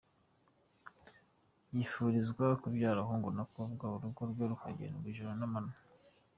Yifurizwa kubyara hungu na kobwa, urugo rwe rukagendwa ijoro n’amanywa.